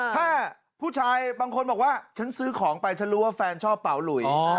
ถ้าผู้ชายบางคนบอกว่าฉันซื้อของไปฉันรู้ว่าแฟนชอบเป๋าหลุย